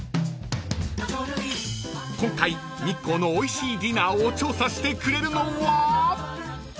［今回日光のおいしいディナーを調査してくれるのは？］